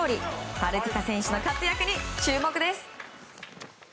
パルティカ選手の活躍に注目です。